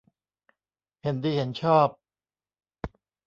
เห็นดีเห็นชอบ